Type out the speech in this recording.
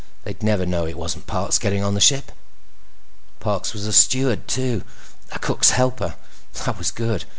They'd never know it wasn't Parks getting on the ship. Parks was a steward, too. A cook's helper. That was good.